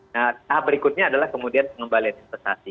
nah tahap berikutnya adalah kemudian pengembalian investasi